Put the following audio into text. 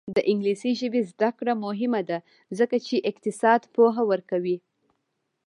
د انګلیسي ژبې زده کړه مهمه ده ځکه چې اقتصاد پوهه ورکوي.